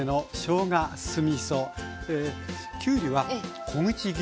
きゅうりは小口切りでした。